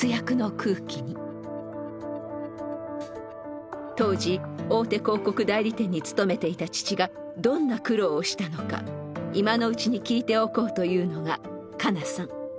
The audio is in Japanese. しかし突然の当時大手広告代理店に勤めていた父がどんな苦労をしたのか今のうちに聞いておこうというのが香奈さん。